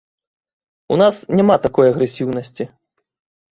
У нас няма такой агрэсіўнасці.